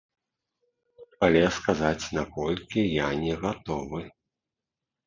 Але сказаць, на колькі, я не гатовы.